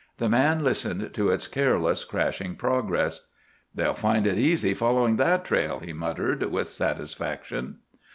The man listened to its careless, crashing progress. "They'll find it easy following that trail," he muttered with satisfaction.